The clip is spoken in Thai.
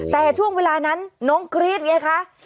แต่ช่วงเวลานั้นน้องกรี๊ดไงคะ